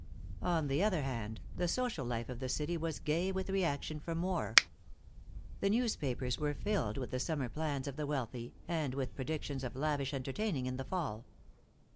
On the other hand, the social life of the city was gay with reaction from war. The newspapers were filled with the summer plans of the wealthy, and with predictions of lavish entertaining in the fall.